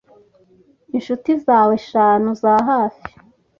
inshuti zawe eshanu za hafi